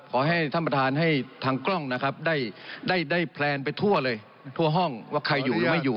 ขอให้ท่านประธานให้ทางกล้องนะครับได้ได้แพลนไปทั่วเลยทั่วห้องว่าใครอยู่หรือไม่อยู่